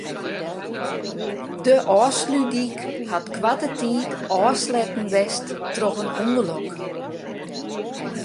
De Ofslútdyk hat koarte tiid ôfsletten west troch it ûngelok.